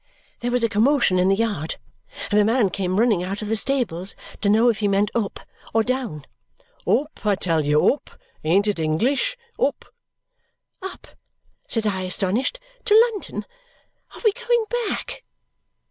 There was a commotion in the yard, and a man came running out of the stables to know if he meant up or down. "Up, I tell you! Up! Ain't it English? Up!" "Up?" said I, astonished. "To London! Are we going back?"